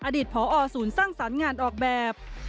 อดีตพอศูนย์สร้างสรรค์งานออกแบบ